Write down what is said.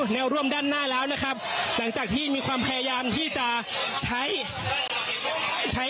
แนวร่วมด้านหน้าแล้วนะครับหลังจากที่มีความพยายามที่จะใช้ใช้